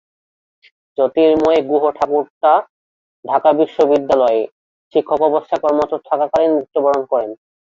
জ্যোতির্ময় গুহঠাকুরতা ঢাকা বিশ্ববিদ্যালয়ে শিক্ষক অবস্থায় কর্মরত থাকাকালীন মৃত্যুবরণ করেন।